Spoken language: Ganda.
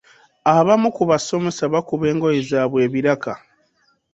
Abamu ku basomesa bakuba engoye zaabwe ebiraka.